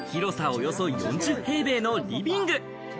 およそ４０平米のリビング。